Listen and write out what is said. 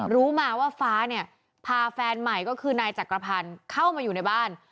รู้มาว่าฟ้าเนี่ยพาแฟนใหม่ก็คือนายจักรพันธ์เข้ามาอยู่ในบ้าน